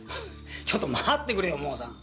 ちょっと待ってくれよモーさん。